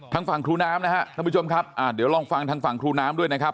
ทางฝั่งครูน้ำนะฮะท่านผู้ชมครับอ่าเดี๋ยวลองฟังทางฝั่งครูน้ำด้วยนะครับ